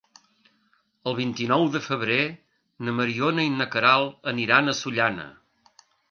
El vint-i-nou de febrer na Mariona i na Queralt aniran a Sollana.